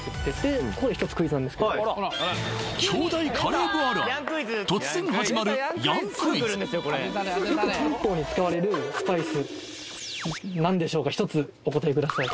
京大カレー部あるある突然始まるヤンクイズよく漢方に使われるスパイス何でしょうか一つお答えください